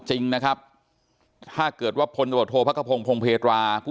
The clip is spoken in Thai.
จริงนะครับถ้าเกิดว่าพลตรวจโทษพระกระพงศพงเพตราผู้